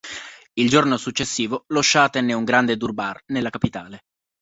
Il giorno successivo, lo scià tenne un grande durbar nella capitale.